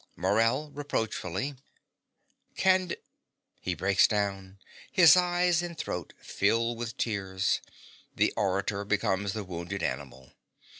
MORELL (reproachfully). Cand (He breaks down: his eyes and throat fill with tears: the orator becomes the wounded animal.)